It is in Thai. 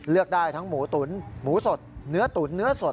เลือกได้ทั้งหมูตุ๋นหมูสดเนื้อตุ๋นเนื้อสด